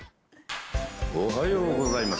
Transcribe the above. おはようございます。